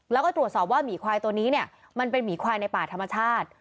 แล้วก็ตรวจสอบว่าหมีควายตัวนี้เนี่ยมันเป็นหมีควายในป่าธรรมชาติ